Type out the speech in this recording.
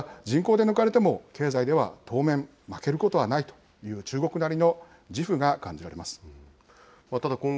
ただ人口で抜かれても経済では当面負けることはない。という中国なりの自負が感じられます